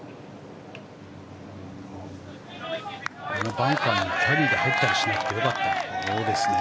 バンカーにキャリーで入ったりしなくてよかった。